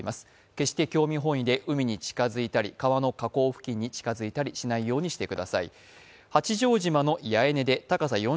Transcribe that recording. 決して興味本位で海に近づいたり、川の河口付近に近づいたりしないようにしてください。